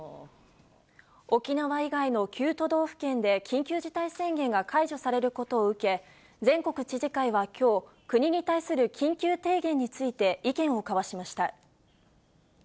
沖縄以外の９都道府県で緊急事態宣言が解除されることを受け、全国知事会はきょう、国に対する緊急提言について意見を交わしました。